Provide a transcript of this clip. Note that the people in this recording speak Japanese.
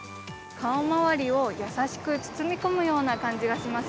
顔周りを優しく包み込むような感じがします。